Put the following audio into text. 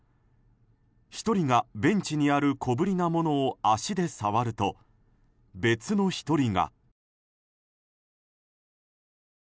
１人が、ベンチにある小ぶりなものを足で触ると別の１人が。